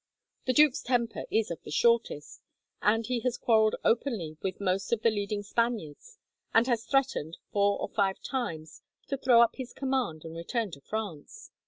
The duke's temper is of the shortest, and he has quarrelled openly with most of the leading Spaniards, and has threatened, four or five times, to throw up his command and return to France.